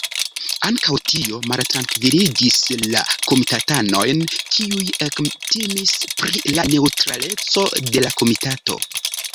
Ankaŭ tio maltrankviligis la komitatanojn, kiuj ektimis pri la neŭtraleco de la komitato.